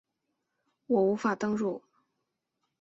我无法登入